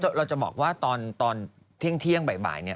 เราจะบอกว่าตอนเที่ยงบ่ายเนี่ย